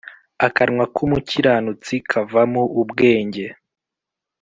akanwa k’umukiranutsi kavamo ubwenge,